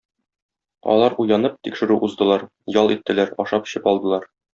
Алар уянып, тикшерү уздылар, ял иттеләр, ашап-эчеп алдылар.